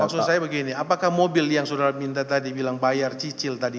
maksud saya begini apakah mobil yang saudara minta tadi bilang bayar cicil tadi